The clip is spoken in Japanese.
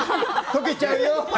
溶けちゃうよ。